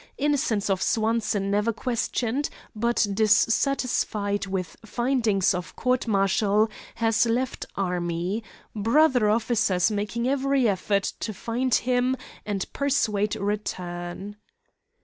Innocence of Swanson never questioned, but dissatisfied with findings of court martial has left army. Brother officers making every effort to find him and persuade return."